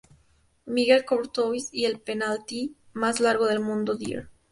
Miguel Courtois y "El penalti más largo del mundo" dir.